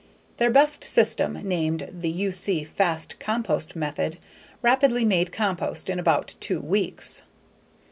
Their best system, named the U. C. Fast Compost Method, rapidly made compost in about two weeks.